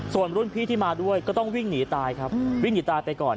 ส่วนรุ่นพี่ที่มาด้วยก็ต้องวิ่งหนีตายครับวิ่งหนีตายไปก่อน